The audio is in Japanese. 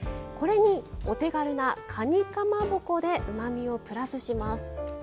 これにお手軽なかにかまぼこでうまみをプラスします。